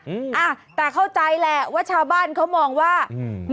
อืมอ่าแต่เข้าใจแหละว่าชาวบ้านเขามองว่าอืม